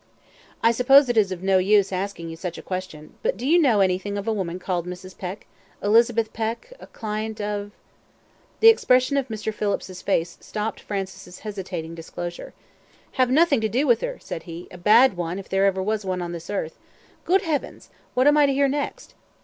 "I suppose it is of no use asking you such a question but do you know anything of a woman called Mrs. Peck Elizabeth Peck, a client of ?" The expression of Mr. Phillips's face stopped Francis' hesitating disclosure. "Have nothing to do with her," said he "a bad one, if ever there was one on this earth. Good Heavens! what am I to hear next?"